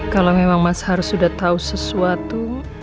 kalau memang mas harus sudah tahu sesuatu